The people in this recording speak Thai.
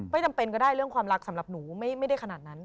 จำเป็นก็ได้เรื่องความรักสำหรับหนูไม่ได้ขนาดนั้น